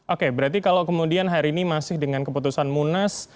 oke berarti kalau kemudian hari ini masih dengan keputusan munas